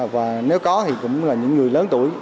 và nếu có thì cũng là những người lớn tuổi